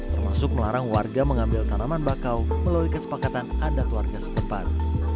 termasuk melarang warga mengambil tanaman bakau melalui kesepakatan adat warga setempat